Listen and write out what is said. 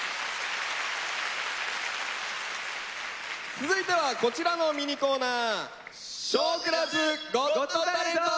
続いてはこちらのミニコーナー。